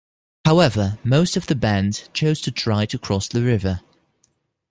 However, most of the band chose to try to cross the river.